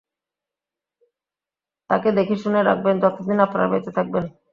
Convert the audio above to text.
তাকে দেখেশুনে রাখবেন, যতদিন আপনারা বেঁচে থাকবেন?